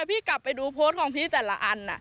พี่กลับไปดูโพสต์ของพี่แต่ละอัน